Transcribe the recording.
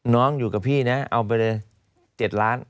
น้องอยู่กับพี่นะเอาไปเลย๗ล้าน